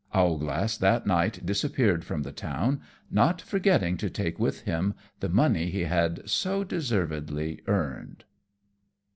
Owlglass that night disappeared from the town, not forgetting to take with him the money he had so deservedly earned.